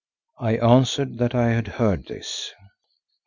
I answered that I had heard this.